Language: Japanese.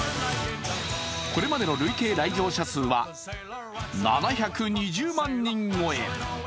これまでの累計来場者数は７２０万人超え。